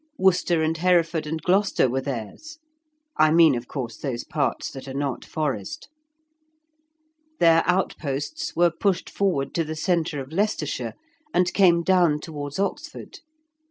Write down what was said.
Worcester and Hereford and Gloucester were theirs; I mean, of course, those parts that are not forest. Their outposts were pushed forward to the centre of Leicestershire, and came down towards Oxford.